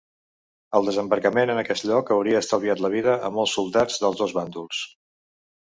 El desembarcament en aquest lloc hauria estalviat la vida a molts soldats dels dos bàndols.